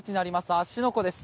芦ノ湖です。